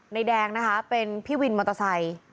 แดงนะคะเป็นพี่วินมอเตอร์ไซค์